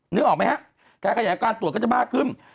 นึกออกไหมฮะการขยายการตรวจก็จะมากขึ้น